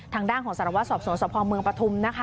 ทางด้านของสารวสอบสวนสะพอม์เมืองปทุม